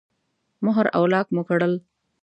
مهر او لاک مو کړل.